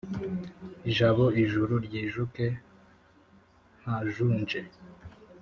jabo ijuru ryijuke ntajunje